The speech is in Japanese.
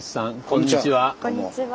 こんにちは。